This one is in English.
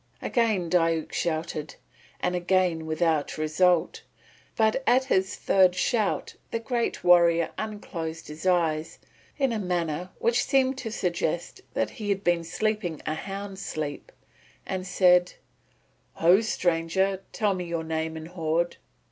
Again Diuk shouted, and again without result; but at his third shout the great warrior unclosed his eyes in a manner which seemed to suggest that he had been sleeping a hound's sleep and said: "Ho, stranger, tell me your name and horde."